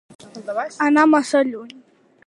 Anar massa lluny.